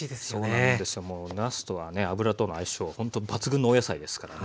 もうなすとはね油との相性ほんと抜群のお野菜ですからね。